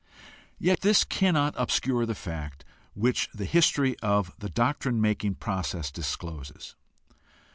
— Yet this cannot obscure the fact which the history of the doctrine making process discloses.